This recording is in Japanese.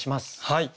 はい。